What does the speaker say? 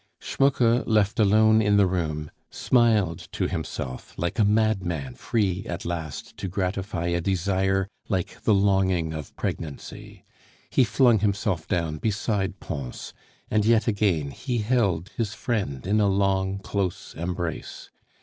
Schmucke, left alone in the room, smiled to himself like a madman free at last to gratify a desire like the longing of pregnancy. He flung himself down beside Pons, and yet again he held his friend in a long, close embrace.